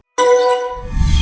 cảnh sát điều tra bộ công an